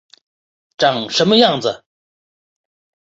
长什么样子